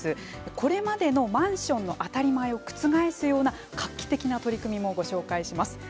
これまでのマンションの当たり前を覆すような画期的な取り組みをご紹介します。